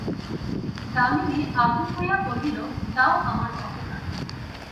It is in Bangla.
দামিনী আগুন হইয়া কহিল, দাও আমার গহনা।